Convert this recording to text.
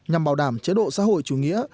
nhằm bảo đảm chế độ xã hội chủ nghĩa